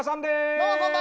どうもこんばんは。